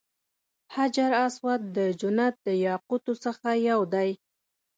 حجر اسود د جنت د یاقوتو څخه یو دی.